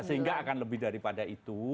sehingga akan lebih daripada itu